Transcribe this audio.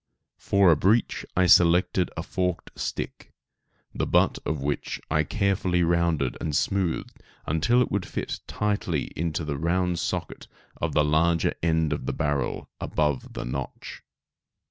For a breech I selected a forked stick, the butt of which I carefully rounded and smoothed until it would fit tightly into the round socket at the larger end of the barrel, above the notch.